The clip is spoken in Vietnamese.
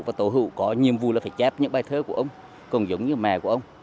và tổ hữu có nhiệm vụ là phải chép những bài thơ của ông còn giống như mẹ của ông